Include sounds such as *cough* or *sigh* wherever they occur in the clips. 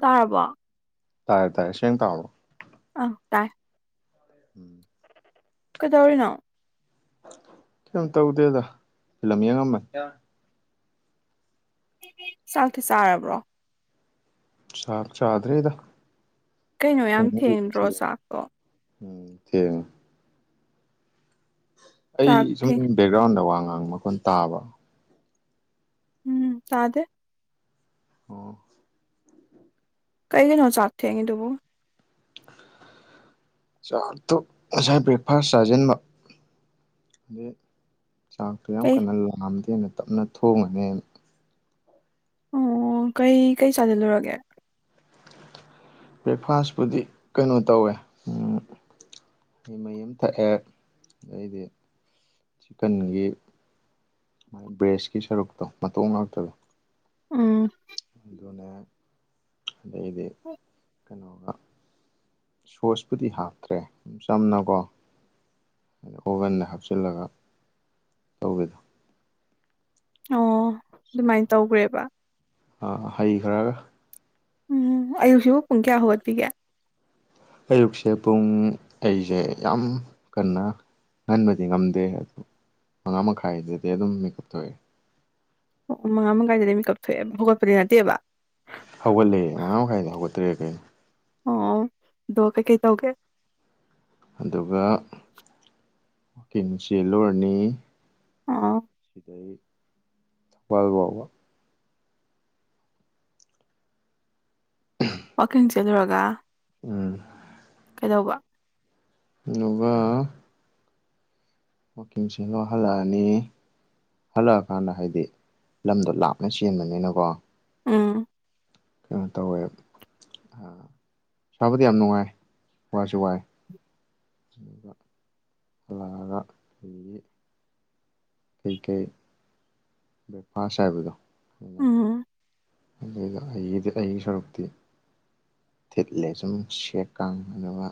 ꯇꯥꯔꯔꯕꯣ ꯇꯥꯏꯌꯦꯦ ꯇꯥꯏꯌꯦ ꯁꯦꯡ ꯀꯣ ꯑ ꯇꯥꯏ ꯎꯝ ꯀꯗꯧꯔꯤꯅꯣ ꯀꯩꯝ ꯇꯧꯗꯦꯗꯂꯝ ꯌꯦꯡꯉꯝꯕ ꯆꯥꯛꯊꯤ ꯆꯥꯔꯕ꯭ꯔꯣ ꯆꯥꯕ ꯆꯥꯗꯔꯦꯗ ꯀꯩꯅꯣ ꯌꯥꯝ ꯊꯦꯡꯗ꯭ꯔꯣ ꯆꯥꯛꯇꯣ ꯎꯝ ꯊꯦꯡ ꯑꯩ ꯆꯥꯛ ꯁꯨꯝ ꯊꯦꯡ ꯕꯦꯛꯒ꯭ꯔꯥꯎꯟꯗ ꯋꯥ ꯉꯥꯡꯕ ꯃꯈꯣꯟ ꯇꯥꯕ ꯎꯝ ꯇꯥꯗꯦ ꯑꯣ ꯀꯩ ꯟꯣ ꯆꯥꯦ ꯍꯥꯏꯦ ꯇꯕꯨ ꯆꯥꯛꯇꯣ ꯉꯁꯥꯏ ꯕ꯭ꯔꯦꯛꯐꯥꯁ ꯆꯥꯁꯤꯟꯕ ꯑꯗꯩ ꯆꯥꯛꯇꯣ ꯌꯥꯝ ꯀꯩ ꯀꯟꯅ ꯂꯥꯝꯗꯦꯅ ꯇꯞꯅ ꯊꯣꯡꯉꯅꯦꯅ ꯑꯣ ꯀꯩ ꯀꯩ ꯆꯥꯁꯤꯜꯂꯨꯔꯒꯦ ꯕ꯭ꯔꯦꯛꯐꯥꯁꯄꯨꯗꯤ ꯀꯩꯅꯣ ꯇꯧꯋꯦ ꯑꯩꯩ ꯃꯩ ꯑꯃ ꯊꯛꯑꯦ ꯑꯗꯩꯗꯤ ꯆꯤꯛꯀꯟꯒꯤ ꯕ꯭ꯔꯦꯁꯀꯤ ꯁꯔꯨꯛꯇꯣ ꯃꯇ ꯉꯥꯛꯇꯗ ꯎꯝ ꯑꯗꯩꯗꯤ ꯀꯩꯅꯒ ꯁꯣꯁꯄꯨꯗꯤ ꯍꯥꯞꯇ꯭ꯔꯦ ꯆꯝꯅꯀꯣ ꯑꯣꯚꯟꯗ ꯍꯥꯞꯆꯤꯜꯂꯒ ꯇꯧꯕꯦꯗ ꯑꯣ ꯑꯗꯨꯃꯥꯏꯅ ꯇꯧꯈ꯭ꯔꯦꯕ ꯍꯩꯈ꯭ꯔꯒ ꯎꯝ ꯑꯌꯨꯁꯤꯕꯨ ꯄꯨꯡ ꯀꯌꯥ ꯍꯧꯒꯠꯄꯤꯒꯦ ꯑꯌꯨꯛꯁꯦ ꯄꯨꯡ ꯑꯩꯁꯦ ꯌꯥꯝ ꯀꯟꯅ ꯑꯍꯟꯕꯗꯤ ꯉꯝꯗꯦ ꯑꯗꯨ ꯃꯉꯥ ꯃꯈꯥꯏꯗꯗꯤ ꯑꯗꯨꯝ ꯃꯦꯀꯞ ꯊꯣꯛꯑꯦ ꯑꯣ ꯃꯉꯥ ꯃꯈꯥꯏꯗ ꯃꯤ ꯀꯞꯊꯣꯛꯑꯦ ꯣꯒꯠꯄꯗꯤ ꯅꯠꯇꯦꯕ ꯍꯧꯒꯠꯂꯛꯑꯦ ꯃꯉꯥ ꯃꯈꯥꯏꯗ ꯍꯧꯒꯠꯇ꯭ꯔꯦ ꯀꯩꯅꯣ ꯑꯣ ꯗꯣ ꯀꯦ ꯀꯩ ꯇꯧꯒꯦ ꯑꯗꯨꯒ ꯋꯥꯋꯀꯤꯡ ꯆꯦꯜꯂꯨꯔꯅꯤ ꯑꯣ ꯁꯤꯗꯥꯏ ꯊꯕꯥꯜ ꯋꯥꯕ ꯋꯥꯋꯀꯤꯡ ꯆꯠꯂꯨꯔꯒ ꯎꯝ ꯀꯩꯗꯧꯕ ꯑꯗꯨꯒ ꯋꯥꯛꯀꯤꯡꯁꯤ ꯂꯣꯏꯍꯜꯂꯛꯑꯅꯤ ꯍꯜꯂꯛꯑꯀꯥꯟꯗ ꯍꯥꯏꯗꯤ ꯂꯝꯗꯣ ꯂꯥꯞꯅ ꯆꯦꯟꯕꯅꯤꯅꯀꯣ ꯑꯥ ꯀꯩꯅꯣ ꯇꯧꯋꯦꯕ ꯑ ꯁꯥꯕꯗꯤ ꯌꯥꯝ ꯅꯨꯡꯉꯥꯏ ꯋꯥꯏꯁꯨ ꯋꯥꯏ ꯑꯗꯨꯒ ꯂꯥꯛꯑꯒ ꯑꯩꯒꯤ ꯀꯩꯀꯩ ꯕ꯭ꯔꯦꯛꯐꯥꯁ ꯍꯥꯏꯕꯗꯣ ꯎꯝ ꯑꯗꯨꯏꯗ ꯑꯩꯒꯤꯗꯤ ꯑꯩꯒꯤ ꯁꯔꯨꯛꯇꯤ ꯊꯤꯠꯂꯦ ꯁꯨꯝ ꯁꯦꯛ ꯀꯥꯡꯅꯕ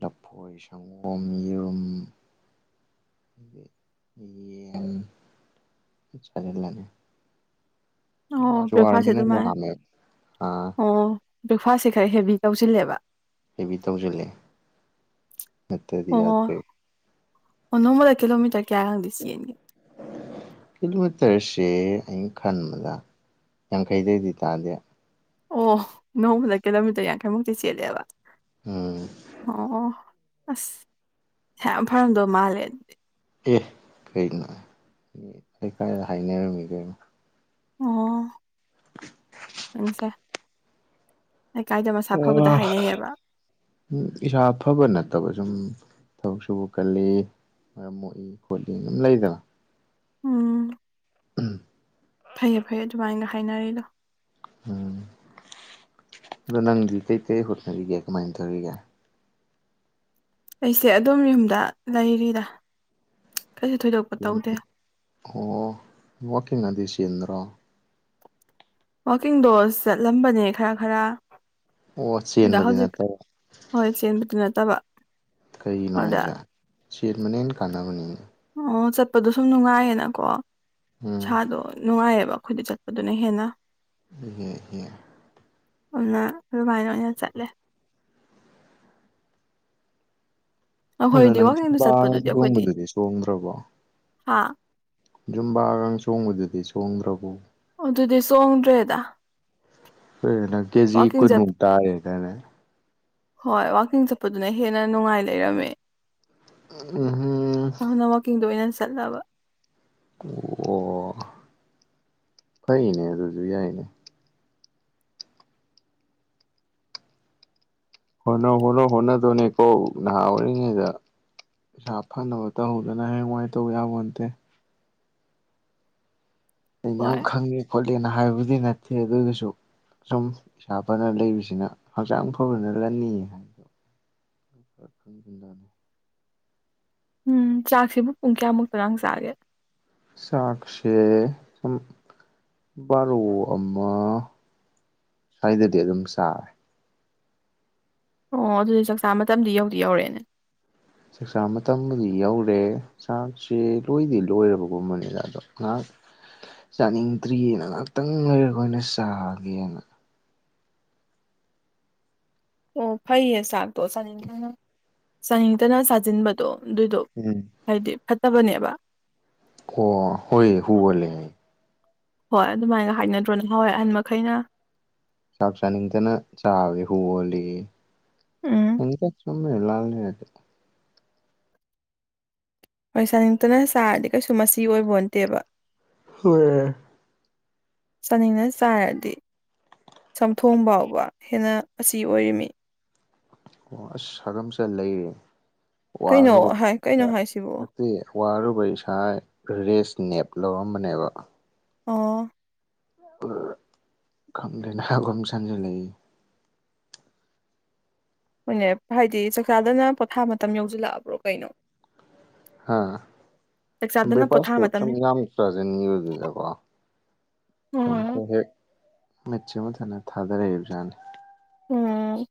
ꯂꯐꯣꯏ ꯁꯪꯒꯣꯝ ꯌꯦꯔꯨꯝ ꯌꯦ ꯁꯔꯅꯦ ꯑꯣ ꯋꯥꯁꯨ ꯕ꯭ꯔꯦꯛꯐꯥꯁꯁꯦ ꯋꯥꯔꯃꯤ ꯅꯗ ꯑꯗꯨꯃꯥꯏꯅ ꯑ ꯑꯣ ꯕ꯭ꯔꯦꯛꯐꯥꯁꯁꯦ ꯈꯔ ꯍꯦꯚ ꯇꯧꯁꯤꯜꯂꯦꯕ ꯍꯕꯤ ꯇ ꯍꯧ ꯆꯂꯦ ꯑꯠꯇꯗꯤ ꯌꯥꯗ ꯑꯣꯃ ꯂꯥꯛꯂꯣꯃꯤ ꯇꯥꯏꯦ ꯀꯂꯣꯃꯤꯠꯇꯔꯁꯦ ꯑꯩꯅ ꯈꯟꯕꯗ ꯌꯥꯡꯈꯩꯗꯗꯤ ꯇꯥꯗꯦ ꯑꯣ ꯅꯣꯡꯃꯗ ꯀꯤꯂꯣꯃꯤꯇꯔ ꯌꯥꯡꯈꯩꯃꯨꯛꯇꯤ ꯆꯦꯜꯂꯦꯕ ꯎꯝ ꯑꯣ ꯑꯁ ꯍ ꯐꯔꯝꯗꯧ ꯃꯥꯜꯂꯦ ꯑꯗꯨꯗꯤ ꯑꯦ ꯀꯩꯅꯣꯥꯏ ꯍꯥꯏꯅꯦꯔꯃꯤꯒꯤ ꯑꯣ ꯏꯁ ꯑ ꯎꯝ ꯏꯁꯥꯐꯥꯕ ꯅꯠꯇ ꯑꯗꯨꯨꯝ ꯊꯕꯛ ꯁꯨꯕ ꯀꯜꯂꯤ ꯃꯔꯝ ꯃꯣꯛꯏ ꯈꯣꯠꯂꯤ ꯑꯗꯨꯝ ꯂꯩꯗꯅ ꯎꯝ ꯎꯝ *unintelligible* ꯐꯥꯏꯅꯔꯂꯣ ꯎꯝ ꯑꯗꯣ ꯅꯪꯗꯤ ꯀꯩ ꯀꯩ ꯍꯣꯠꯅꯔꯤꯒꯦ ꯀꯃꯥꯏꯅ ꯇꯧꯔꯤꯒꯦ ꯑꯩꯁꯦ ꯑꯗꯣꯝ ꯌꯨꯝꯗ ꯂꯩꯔꯤꯔ ꯎ ꯑꯣ ꯋꯥꯀꯤꯗꯁꯟ꯭ꯔꯣ ꯋꯥꯋꯥꯛꯀꯤꯡ ꯗꯣꯁ ꯆꯠꯂꯝꯕꯅꯦ ꯈꯔ ꯈꯔ ꯑꯣ ꯑꯗ ꯆꯦꯟꯕꯗꯤ ꯍꯧꯖꯤꯛ ꯅꯠꯇꯕ ꯍꯣꯏ ꯆꯦꯟꯕꯗꯨ ꯅꯠꯇꯕ ꯀꯔꯤꯅꯣ ꯑꯗ ꯍꯥꯏꯖꯦ ꯆꯦꯠ ꯃꯅꯦꯟ ꯀꯥꯟꯅꯕꯅꯤ ꯑꯣ ꯆꯠꯄꯗꯣ ꯁꯨꯝ ꯅꯨꯡꯉꯥꯏꯌꯦꯅꯀꯣ ꯎꯝ ꯏꯁꯥꯗꯣ ꯅꯨꯡꯉꯥꯏꯌꯦꯕꯣ ꯑꯩꯈꯣꯏꯗ ꯆꯠꯄꯗꯨꯅ ꯍꯦꯟꯅ ꯌꯦ ꯌꯦ ꯑꯗꯨ ꯑꯗꯨꯃꯥꯏꯅ ꯑꯣꯏꯅ ꯆꯠꯂꯦ ꯑꯗꯨꯗ ꯑꯩꯈꯣꯏꯗꯤ ꯅꯪ ꯋꯥꯛꯀꯤꯡꯗ ꯆꯕꯥ ꯆꯠꯄꯗꯨꯗꯤ ꯆꯣꯡꯕꯗꯨꯗꯤ ꯆꯣꯡꯗ꯭ꯔꯕꯣ ꯍꯥꯥ ꯌꯖꯨꯝꯕꯥꯒ ꯆꯣꯡꯕꯗꯨꯗꯤ ꯆꯣꯡꯗ꯭ꯔꯕꯣ ꯑꯗꯨꯗꯤ ꯆꯣꯡꯗ꯭ꯔꯦꯗ ꯐꯅꯪ ꯀꯦꯁꯤꯣꯏ ꯋꯥꯛꯀꯤꯡ ꯆꯠꯄ ꯅꯨꯅꯨꯡꯇꯥꯌꯦ ꯀꯅ ꯍꯣꯏ ꯋꯥꯛꯀꯤꯡ ꯆꯠꯄꯗꯨꯅ ꯍꯦꯟꯅ ꯅꯨꯡꯉꯥꯏ ꯂꯩꯔꯝꯃꯦ ꯎ *unintelligible* ꯑꯗꯨꯅ ꯋꯥꯛꯀꯤꯡꯗꯣ ꯑꯣꯏꯅ ꯆꯠꯂꯕ ꯑꯣ ꯐꯩꯅꯦ ꯑꯗꯨꯁꯨ ꯌꯥꯏꯅꯦ ꯍꯣꯠꯅꯧ ꯍꯣꯠꯅꯧ ꯍꯣꯠꯅꯗꯧꯅꯦꯀꯣ ꯅꯍꯥ ꯑꯣꯏꯔꯤꯉꯩꯗ ꯄꯩꯁꯥ ꯐꯅꯕ ꯇꯧꯍꯧꯗꯅ ꯍꯌꯦꯡ ꯥꯏꯅ ꯇꯧ ꯌꯥꯎꯕꯟꯇꯦ ꯑꯩꯅ ꯌꯥꯝ ꯍꯣꯏ ꯈꯪꯉꯦ ꯈꯣꯠꯂꯦꯅ ꯍꯥꯏꯕꯕꯨꯗꯤ ꯅꯠꯇꯦ ꯑꯗꯨ ꯑꯣꯏꯔꯁꯨ ꯁꯨꯝ ꯏꯁꯥ ꯐꯅ ꯂꯩꯕꯁꯤꯅ ꯍꯛꯆꯥꯡ ꯐꯕꯅ ꯂꯅꯤ ꯍꯥꯏꯕꯗꯣ ꯅꯤ ꯎꯝ ꯆꯥꯛꯁꯤꯕꯨ ꯄꯨꯡ ꯀꯌꯥꯃꯨꯛꯇꯔꯥꯡ ꯆꯥꯒꯦ ꯁꯥꯁꯦ ꯎꯝ ꯕꯥꯔꯣ ꯑꯃ ꯁ꯭ꯋꯥꯏꯗꯗꯤ ꯑꯗꯨꯝ ꯁꯥꯔꯦ ꯑꯣ ꯑꯗꯨꯗꯤ ꯆꯥꯛꯆꯥ ꯃꯇꯝꯗꯤ ꯌꯧꯗꯤ ꯌꯧꯔꯛꯑꯦꯅꯦ ꯆꯥꯛꯆꯥꯥ ꯃꯇꯝꯕꯨꯗꯤ ꯌꯧꯔꯦ ꯆꯥꯛꯁꯦ ꯂꯣꯏꯗꯤ ꯂꯣꯏꯔꯕꯒꯨꯝꯕꯅꯤꯅ ꯑꯗꯣ ꯉꯥꯏꯍꯥꯛ ꯆꯥꯅꯤꯡꯗ꯭ꯔꯤꯑꯅ ꯉꯍꯥꯛꯇꯪ ꯂꯩꯔ ꯑꯩꯣꯏꯅ ꯆꯥꯒꯦꯅ ꯑꯣ ꯐꯩꯌꯦ ꯆꯥꯛꯇꯣ ꯆꯥꯅꯤꯡꯊꯅ ꯆꯥꯅꯤꯡꯇꯅ ꯆꯥꯁꯤꯟꯕꯗꯣ ꯑꯗꯨꯏꯗꯣ ꯎꯝ ꯍꯥꯏꯗꯤ ꯐꯠꯇꯕꯅꯦꯕ ꯑꯣ ꯍꯣꯏ ꯍꯨ ꯑꯣꯟꯂꯦ ꯍꯥꯏ ꯍꯣꯏ ꯑꯗꯨꯃꯥꯏꯅ ꯍꯥꯏꯅꯗ꯭ꯔꯣ ꯅꯍꯋꯥꯏ ꯑꯍꯟ ꯃꯈꯩꯅ ꯆꯥꯛ ꯆꯥꯅꯤꯡꯇꯅ ꯆꯥꯕꯁꯤ ꯍꯨ ꯑꯣꯟꯂꯦꯌꯦ ꯎꯝ ꯈꯪꯗꯦ ꯆꯨꯝꯃꯤꯔ ꯂꯥꯟꯔꯤꯔꯗꯤ ꯍꯣꯏ ꯆꯥꯅꯤꯡꯇꯅ ꯆꯥꯔꯗꯤ ꯀꯩꯁꯨ ꯃꯆꯤ ꯑꯣꯏꯕꯣꯟꯇꯦꯕ ꯍꯣꯏ ꯆꯥꯅꯤꯡꯅ ꯆꯥꯏꯔꯗꯤ ꯆꯝꯊꯣꯡ ꯐꯥꯎꯕ ꯍꯦꯟꯅ ꯃꯆꯤ ꯑꯣꯏꯔꯤꯝꯃꯤ ꯑꯣ ꯑꯁ ꯍꯥꯒꯝ ꯆꯟ ꯂꯩꯔꯦꯅꯦ ꯀꯩꯅꯣ ꯍꯥꯏ ꯀꯩꯅꯣ ꯋꯥꯔꯨꯕꯒꯤ ꯍꯥꯏꯁꯤꯕꯣ ꯅꯠꯇꯦ ꯋꯥꯔꯨꯕ ꯏꯁꯥ ꯔꯦꯁ ꯅꯦꯞ ꯂꯧꯔꯝꯕꯅꯦꯕ ꯑꯣ ꯈꯪꯗꯦꯅꯦ ꯍꯥꯒꯝ ꯆꯟꯖꯟꯂꯛꯏ ꯍꯣꯏꯅꯦ ꯍꯥꯏꯗꯤ ꯆꯥꯛꯆꯥꯗꯅ ꯄꯣꯊꯥ ꯃꯇꯝ ꯌꯧꯁꯤꯜꯂꯛꯑꯕ꯭ꯔꯣ ꯀꯩꯅꯣ ꯍꯥ ꯆꯥꯛꯆꯥꯗꯅ ꯄꯣꯊꯥ ꯕ꯭ꯔꯦꯛꯐꯥꯁꯇꯨ ꯃꯇꯝ ꯁꯨꯝ ꯌꯥꯝ ꯆꯥꯖꯤꯟꯒꯤꯕꯗꯨꯗ ꯀꯣ ꯎꯝ ꯃꯤꯠꯁꯤ ꯃꯊꯟꯗ ꯊꯥꯗꯔꯛꯏꯕ ꯖꯥꯠꯅꯤ ꯎꯝ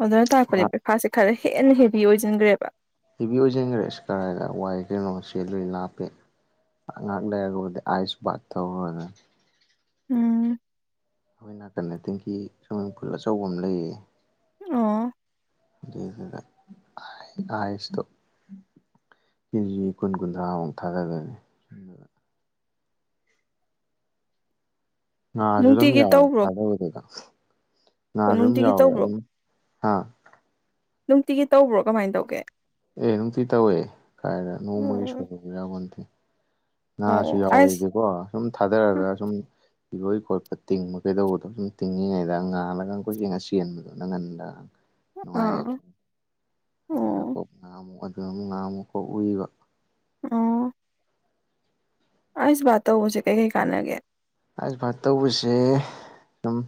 ꯑꯗꯨꯅ ꯇꯥꯛꯄꯗꯤ ꯕ꯭ꯔꯦꯛꯐꯥꯁꯁꯦ ꯈꯔ ꯍꯦꯟꯅ ꯍꯦꯚ ꯑꯣꯏꯁꯤꯟꯈ꯭ꯔꯦꯕ ꯍꯦꯕꯤ ꯑꯣꯏꯖꯟꯈ꯭ꯔꯦ ꯑꯁ ꯀꯔꯥꯏꯗ ꯋꯥꯏ ꯀꯩꯅꯣ ꯆꯦꯜꯂꯨꯔꯤ ꯂꯥꯞꯄꯦ ꯉꯥꯏꯍꯥꯛ ꯂꯩꯔꯕꯨꯗꯤ ꯑꯥꯏꯁ ꯕꯥꯠ ꯇꯨꯔꯨꯔꯒ ꯎꯝ ꯑꯩꯈꯣꯏ ꯅꯥꯀꯟꯗ ꯇꯦꯡꯀꯤ ꯁ꯭ꯋꯤꯝꯃꯤꯡ ꯄꯨꯜ ꯑꯆꯧꯕ ꯑꯃ ꯂꯩꯌꯦ ꯑꯣ ꯑꯗꯨꯏꯗꯨꯗ ꯀꯦꯖꯤ ꯀꯨꯟ ꯀꯨꯟꯊ꯭ꯔꯥꯃꯨꯛ ꯊꯥꯗꯗꯣꯏꯅꯤ ꯉꯥꯁꯨ ꯑꯗꯨꯝ ꯅꯨꯡꯇꯤꯒꯤ ꯌꯥꯎꯔꯦ ꯇꯧꯕ꯭ꯔꯣ ꯊꯥꯖꯕꯗꯨꯗ ꯉꯥꯁꯨ ꯑꯣ ꯑꯗꯨꯝ ꯅꯨꯡꯇꯤꯒꯤ ꯌꯥꯎꯋꯦ ꯇꯧꯕ꯭ꯔꯣ ꯑꯗꯨꯝ ꯑꯥ ꯅꯨꯡꯇꯤꯒꯤ ꯇꯧꯕ꯭ꯔꯣ ꯀꯃꯥꯏꯅ ꯇꯧꯒꯦ ꯑꯦ ꯅꯨꯡꯇꯤ ꯇꯧꯋꯦ ꯀꯥꯏꯗ ꯅꯣꯡꯃꯒꯤ ꯎꯝ ꯁꯣꯏ ꯌꯥꯄꯣꯟꯇꯦ ꯉꯥꯁꯨ ꯑꯣ ꯑꯁ ꯌꯥꯎꯋꯤꯗꯤꯀꯣ ꯁꯨꯝ ꯊꯥꯗꯔꯒ ꯁꯨꯝ ꯏꯔꯣꯏ ꯈꯣꯠꯄ ꯇꯤꯡꯕ ꯀꯩꯗꯧꯕꯗꯣ ꯁꯨꯝ ꯇꯤꯡꯉꯤꯉꯩꯗ ꯉꯥ ꯅꯒ ꯀꯣꯏꯆꯦꯟ ꯆꯦꯟꯕꯗꯣ ꯅꯪ ꯉꯟꯗ ꯅꯨꯡꯉꯥꯏ ꯑꯥ ꯑꯣ ꯉꯥꯃꯨꯛ ꯑꯗꯨ ꯑꯃꯨꯛ ꯉꯥꯃꯨꯛꯈꯥ ꯎꯨꯏꯕ ꯑꯣ ꯑꯁ ꯕꯥꯠ ꯇꯧꯕꯁꯦ ꯀꯩ ꯀꯩ ꯀꯥꯥꯟꯅꯒꯌꯦ ꯑꯥꯏ ꯕꯥꯠ ꯇꯧꯕꯁꯦ ꯑꯗꯨꯝ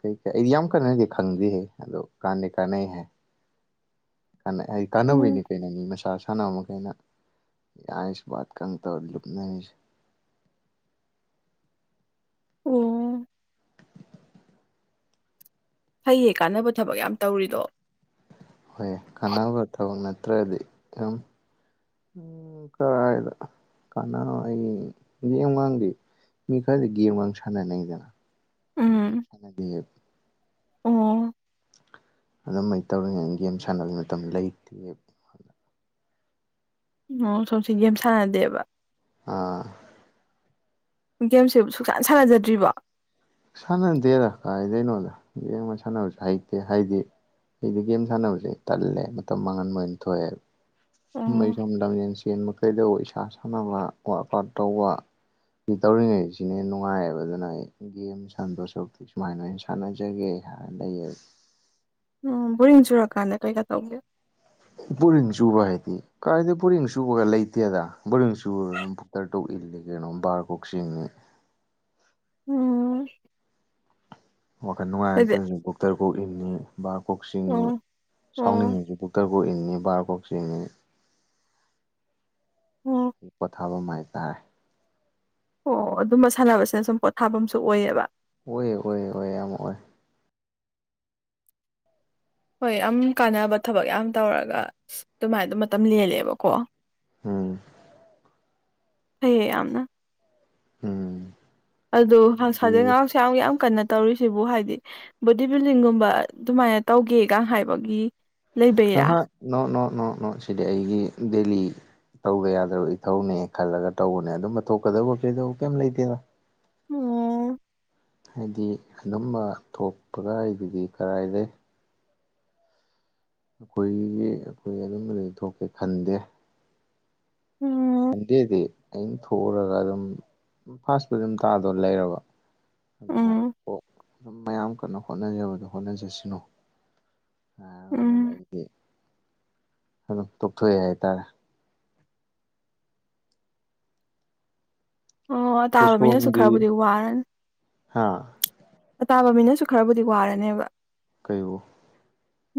ꯀꯩꯀꯩ ꯑꯩꯗꯤ ꯌꯥꯝ ꯀꯟꯅꯗꯤ ꯈꯪꯗꯦꯍꯦ ꯑꯗꯣ ꯀꯥꯟꯗꯩ ꯀꯥꯟꯅꯩ ꯍꯥꯏ ꯑꯩ ꯎꯝ ꯀꯥꯟꯅꯕꯩꯅꯦ ꯀꯩꯅ ꯃꯤ ꯃꯁꯥꯁ ꯁꯥꯟꯅ ꯃꯈꯩꯅ ꯑꯥꯏꯁ ꯕꯥꯠ ꯀ ꯇꯧꯔ ꯂꯨꯞꯅꯔꯤꯁꯦ *unintelligible* ꯑꯣ ꯐꯩꯌꯦ ꯀꯥꯟꯅꯕ ꯊꯕꯛ ꯌꯥꯝ ꯇꯧꯔꯤꯗꯣ ꯍꯣꯏ ꯀꯥꯟꯅꯕ ꯊꯕꯛ ꯅꯠꯇ꯭ꯔꯗꯤ ꯑꯗꯨꯝ *unintelligible* ꯃꯤ ꯈꯔꯗꯤ ꯒꯦꯝ ꯒ ꯁꯥꯟꯅꯅꯩꯗꯅ ꯑꯩꯗꯤ ꯁꯥꯟꯅꯗꯦ ꯎꯝ ꯑꯗꯨꯃꯥꯏꯅ ꯇꯧꯔꯤꯉꯩꯩꯅ ꯒꯦꯝ ꯁꯥꯟꯅꯕꯩ ꯃꯇꯝ ꯂꯩꯇꯦ ꯑꯣ ꯁꯣꯝꯁꯤ ꯒꯦꯝ ꯁꯥꯟꯅꯗꯦꯕ ꯑ ꯒꯦꯝꯁꯦ ꯁꯨꯛꯁꯥꯟ ꯁꯥꯟꯅꯖꯗ꯭ꯔꯤꯕꯣ ꯁꯥꯟꯅꯗꯦꯗ ꯀꯥꯏꯗꯩꯅꯣꯗ ꯒꯦꯝꯒ ꯁꯥꯟꯅꯕꯁꯨ ꯍꯩꯇꯦ ꯍꯥꯏꯗꯤ ꯑꯩꯗꯤ ꯒꯦꯝ ꯁꯥꯟꯅꯕꯁꯦ ꯇꯜꯂꯦ ꯃꯇꯝ ꯃꯥꯡꯍꯟꯕ ꯑꯣꯏꯅ ꯊꯣꯛꯑꯦꯕ ꯁꯨꯝꯕ ꯑꯩ ꯑꯣ ꯁꯨꯝ ꯂꯝꯖꯦꯟ ꯆꯦꯟꯕ ꯀꯩꯗꯧꯕ ꯏꯁꯥ ꯁꯥꯟꯅꯕ ꯋꯥꯔꯥꯛ ꯑꯥꯎꯠ ꯇꯧꯕ ꯁꯤ ꯇꯧꯔꯤꯉꯩ ꯁꯤꯅ ꯍ‌ꯦꯟ ꯅꯨꯡꯉꯥꯏꯌꯦꯕ ꯑꯗꯨꯅ ꯑꯩ ꯒꯦꯝ ꯁꯟꯗꯣꯛ ꯁꯔꯨꯛꯇꯤ ꯁꯨꯃꯥꯏꯅ ꯑꯣꯏꯅ ꯁꯥꯟꯅꯖꯒꯦ ꯍꯥꯏꯅ ꯂꯩꯌꯦ ꯎꯝ ꯕ‌ꯣꯔꯤꯡ ꯆꯨꯔꯛꯀꯥꯟꯗ ꯀꯩꯀꯥ ꯇꯧꯒꯦꯣ ꯕ‌ꯣꯔꯤꯡ ꯆꯨꯕ ꯍꯥꯏꯗꯤ ꯀꯥꯏꯗ ꯕ‌ꯣꯔꯤꯡ ꯆꯨꯕꯒ ꯂꯩꯇꯦꯗ ꯕ‌ꯣꯔꯤꯡ ꯆꯨꯕꯒ ꯕꯨꯛꯇꯔ *unintelligible* ꯀꯩꯅꯣ ꯕꯥꯔ ꯀ‌ꯣꯛ ꯆꯤꯡꯅꯤ ꯎꯝ ꯋꯥꯈꯜ ꯍꯥꯏꯗꯤ ꯅꯨꯡꯉꯥꯏꯔꯛꯇꯔꯁꯨ ꯕꯨꯛꯇꯔ ꯀꯣꯛ ꯏꯟꯅꯤ ꯕꯥꯔ ꯀꯣꯛ ꯆꯤꯡꯅꯤ ꯑꯣ ꯑꯣ ꯁꯥꯎꯅꯤꯡꯉꯁꯨ ꯕꯨꯛꯇꯔ ꯀ‌ꯣꯛ ꯏꯟꯅꯤ ꯕꯥꯔ ꯀ‌ꯣꯛ ꯆꯤꯡꯅꯤ ꯑꯣ ꯄꯣꯊꯥꯐꯝ ꯍꯥꯏꯇꯥꯔꯦ ꯑꯣ ꯑꯗꯨꯝꯕ ꯁꯥꯟꯅꯕꯁꯤꯅ ꯁꯨꯝ ꯄꯣꯊꯥꯐꯝꯁꯨ ꯑꯣꯏꯌ‌ꯦꯕ ꯑꯣꯏꯌ‌ꯦ ꯑꯣꯏꯌ‌ꯦ ꯍꯣꯏ ꯌꯥꯝ ꯑꯣꯏ ꯍꯣꯏ ꯌꯥꯝ ꯀꯥꯟꯅꯕ ꯊꯕꯛ ꯌꯥꯝ ꯇꯧꯔꯒ ꯑꯗꯨꯃꯥꯏ ꯑꯗꯨ ꯃꯇꯝ ꯂꯦꯜꯂꯦꯕꯀꯣ ꯎꯝ ꯐꯩꯌꯦ ꯌꯥꯝꯅ ꯎꯝ ꯑꯗꯣ ꯑꯗꯨꯗꯤ ꯍꯁꯗꯩ *unintelligible* ꯌꯥꯝ ꯀꯟꯅ ꯇꯧꯔꯤꯁꯤꯕꯨ ꯍꯥꯏꯗꯤ ꯕꯣꯗꯤ ꯕꯤꯜꯗꯤꯡꯒꯨꯝꯕ ꯑꯗꯨꯃꯥꯏꯅ ꯇꯧꯒꯦꯒ ꯍꯥꯏꯕꯒꯤ ꯂꯩꯕꯩꯔꯥ ꯑꯍ ꯅꯣ ꯅꯣ ꯅꯣ ꯅꯣ ꯁꯤꯗꯤ ꯑꯩꯒꯤ ꯗꯦꯜꯂꯤ ꯇꯧꯗ ꯌꯥꯗ꯭ꯔꯕ ꯏꯊꯧꯅꯦ ꯈꯜꯂꯒ ꯇꯧꯕꯅꯦ ꯑꯗꯨꯝꯕ ꯊꯣꯛꯀꯗꯧꯕ ꯀꯩꯗꯧꯕ ꯀꯩꯝ ꯂꯩꯇꯦꯗ ꯎꯝ ꯍꯥꯏꯗꯤ ꯑꯗꯨꯝꯕ ꯊꯣꯛꯄꯒ ꯑꯩꯗꯨꯗꯤ ꯀꯔꯥꯗꯩ ꯑꯩꯈꯣꯏꯒꯤ ꯑꯩꯈꯣꯏ ꯑꯗꯨꯝ ꯕꯗꯨꯗꯤ ꯊꯣꯛꯀꯦ ꯈꯟꯗꯦ ꯎꯝ ꯁꯟꯗꯦꯗꯤ ꯑꯩꯅ ꯊꯣꯛꯎꯔꯒ ꯑꯗꯨꯝ ꯐꯥꯁ ꯄꯨꯗꯤ ꯑꯗꯨꯝ ꯇꯥꯗꯧ ꯂꯩꯔꯕ ꯑꯗꯨꯅ ꯎꯝ ꯑꯣ ꯑꯗꯨꯝ ꯃꯌꯥꯝ ꯀꯟꯅ ꯍꯣꯠꯅꯖꯕꯗꯨ ꯍꯣꯠꯅꯖꯁꯅꯨ ꯍꯥꯏ ꯑꯗꯨꯝ ꯎꯝ ꯑꯩꯗꯤ ꯑꯗꯨꯝ ꯇꯣꯛꯊꯣꯛꯑꯦ ꯍꯥꯏꯇꯥꯔꯦ ꯑꯣ ꯇꯥꯕ ꯃꯤꯅꯁꯨ ꯈꯔꯕꯨꯗꯤ ꯋꯥꯔꯅꯤ ꯍꯥꯥ ꯑꯇꯥꯕ ꯃꯤꯅꯁꯨ ꯈꯔꯕꯨꯗꯤ ꯋꯥꯔꯅꯦꯕ ꯀꯩꯕꯨ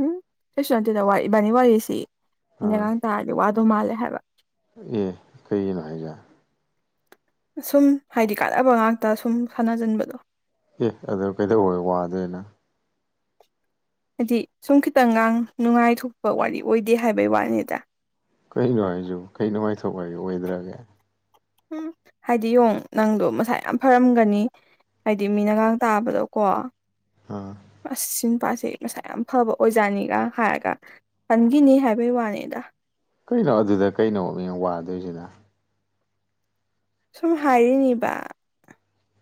ꯎꯝ ꯀꯩꯁꯨ ꯅꯠꯇ‌ꯦꯗ ꯏꯕꯥꯅꯤ ꯋꯥꯔꯤꯁꯤ ꯑꯥ ꯃꯤꯅꯒꯥꯡ ꯇꯥꯔꯗꯤ ꯋꯥꯗꯧ ꯃꯥꯜꯂꯦ ꯍꯥꯏꯕ ꯑꯦ ꯀꯩꯒꯤꯅ‌ꯣ ꯍꯥꯏꯖ‌ꯦ ꯁꯨꯝ ꯍꯥꯏꯗꯤ ꯀꯥꯟꯅꯕ ꯉꯥꯛꯇ ꯁꯨꯝ ꯁꯥꯟꯅꯖꯟꯕꯗꯣ ꯑꯦ ꯑꯗꯨ ꯀꯩꯗꯧꯕꯩ ꯋꯥꯗꯣꯏꯅ ꯍꯥꯏꯗꯤ ꯁꯨꯝ ꯈꯤꯇꯪꯒꯥꯡ ꯅꯨꯡꯉꯥꯏꯊꯣꯛꯄ ꯋꯥꯔꯤ ꯑꯣꯏꯗꯦ ꯍꯥꯏꯕꯩ ꯋꯥꯅꯤꯗ ꯀꯩꯅꯣ ꯍꯥꯏꯁꯤꯕꯨ ꯀꯩ ꯅꯨꯡꯉꯥꯏꯊꯣꯛ ꯋꯥꯔꯤ ꯑꯣꯏꯗ꯭ꯔꯒꯦ ꯎꯝ ꯍꯥꯏꯗꯤ ꯌ‌ꯣꯡ ꯅꯪꯗꯣ ꯃꯁꯥ ꯌꯥꯝ ꯐꯔꯝꯒꯅꯤ ꯍꯥꯏꯗꯤ ꯃꯤꯅꯒꯥꯡ ꯇꯥꯕꯗꯀꯣ ꯑꯥ ꯑꯁ ꯁꯤ ꯅꯨꯄꯥꯁ‌ꯦ ꯃꯁꯥ ꯌꯥꯝ ꯐꯕ ꯑꯣꯏꯖꯥꯠꯅꯤꯒ ꯍꯥꯏꯔꯒ ꯈꯟꯈꯤꯅꯤ ꯍꯥꯏꯕꯩ ꯋꯥꯅꯤꯗ ꯀꯩꯅꯣ ꯑꯗꯨꯗ ꯀꯩꯅꯣ ꯃꯤꯡ ꯋꯥꯗꯣꯏꯁꯤꯅ ꯁꯨꯝ ꯍꯥꯏꯔꯤꯅꯤꯕ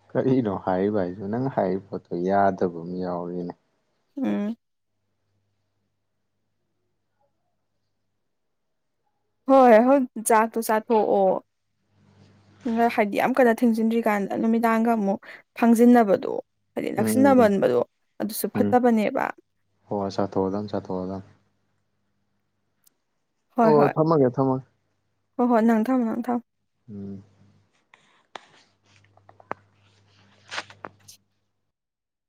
ꯀꯔꯤꯅꯣ ꯍꯥꯏꯔꯤꯕ ꯍꯥꯏꯁꯨ ꯅꯪ ꯍꯥꯏꯔꯤꯕ ꯄꯣꯠꯇꯣ ꯌꯥꯗꯕ ꯑꯃ ꯌꯥꯎꯔꯤꯅꯦ ꯎꯡ ꯍꯣꯏ ꯍ ꯍꯣꯏ ꯆꯥꯛ ꯇꯨ ꯆꯥꯊ‌ꯣꯛꯑꯣ ꯍꯥꯏꯕꯗꯤ ꯌꯥꯝ ꯀꯟꯅ ꯊꯦꯡꯖꯤꯟꯗ꯭ꯔꯤꯀꯥꯟꯗ ꯅꯨꯃꯤꯗꯥꯡꯒ ꯑꯃꯨꯛ ꯐꯪꯖꯤꯟꯅꯕꯗꯣ ꯍꯥꯏꯗꯤ ꯎꯝ ꯎꯝ ꯅꯛꯁꯤꯟꯅꯃꯟꯕꯗꯣ ꯑꯗꯨꯁꯨ ꯎꯝ ꯐꯠꯇꯕꯅꯦꯕ ꯍꯣꯏ ꯆꯠꯊꯣꯛꯑꯗꯝ ꯆꯠꯠꯇꯣꯛꯑꯗꯝ ꯍꯣꯏ ꯑꯣ ꯍꯣꯏ ꯊꯝꯃꯒꯦ ꯊꯝꯃꯒ ꯍꯣꯏ ꯍꯣꯏ ꯅꯪ ꯊꯝꯃꯣ ꯅꯪ ꯊꯝꯃꯣ ꯎꯝ